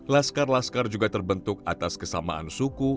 laskar laskar juga terbentuk atas kesamaan suku